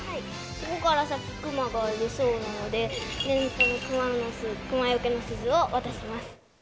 ここから先、クマが出るそうなので、念のため、クマよけの鈴を渡します。